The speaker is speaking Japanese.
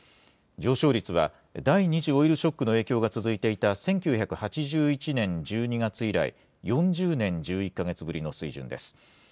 上昇率は第２次オイルショックの影響が続いていた１９８１年１２月以来、４０年１１か月ぶりの水準です。